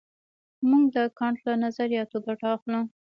موږ د کانټ له نظریاتو ګټه اخلو.